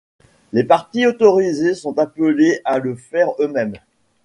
Les partis autorisés sont appelés à le faire eux-mêmes.